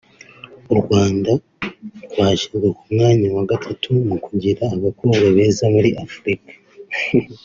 u Rwanda rwashyizwe ku mwanya wa gatatu mu kugira abakobwa beza muri Afurika